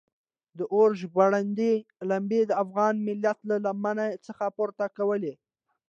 د اور ژبغړاندې لمبې د افغان ملت له لمنو څخه پورته کولې.